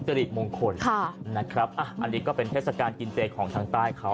ริมงคลนะครับอันนี้ก็เป็นเทศกาลกินเจของทางใต้เขา